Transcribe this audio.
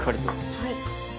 はい。